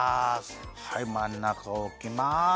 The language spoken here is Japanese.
はいまんなかおきます！